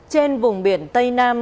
trên vùng biển tây nam